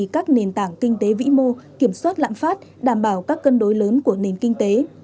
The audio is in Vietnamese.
các nền tảng kinh tế vĩ mô kiểm soát lạm phát đảm bảo các cân đối lớn của nền kinh tế